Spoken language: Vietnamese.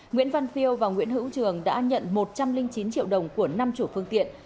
nguyễn văn phiêu và nguyễn hữu trường đã nhận một trăm linh chín triệu đồng của năm chủ phương tiện